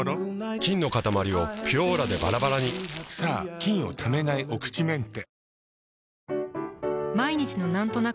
菌のかたまりを「ピュオーラ」でバラバラにさぁ菌をためないお口メンテ。